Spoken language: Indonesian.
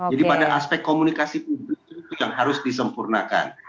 jadi pada aspek komunikasi publik itu yang harus disempurnakan